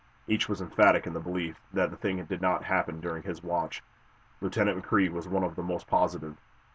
Each was emphatic in the belief that the thing did not happen during his watch. Lieutenant McCrea was one of the most positive.